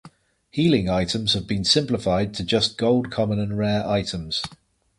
Healing items have been simplified to just gold common and rare items.